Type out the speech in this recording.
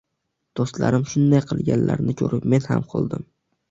“Do‘stlarim shunday qilganlarini ko‘rib, men ham... qildim”.